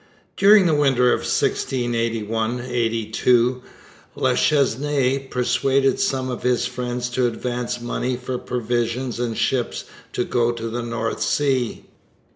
During the winter of 1681 82 La Chesnaye persuaded some of his friends to advance money for provisions and ships to go to the North Sea.